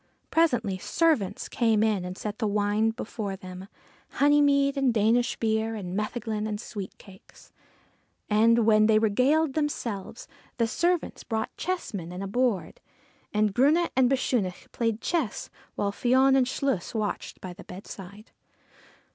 Presently servants came in and set wine before them honey mead and Danish beer, and metheglin and sweet cakes. And, while they regaled themselves, the servants brought chessmen and a board, and Grunne and Bechunach played chess while Fion and Chluas watched by the bedside.